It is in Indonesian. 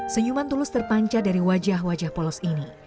senyuman tulus terpanca dari wajah wajah polos ini